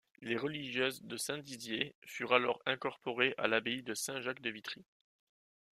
Les religieuses de Saint-Dizier furent alors incorporées à l'abbaye de Saint-Jacques de Vitry.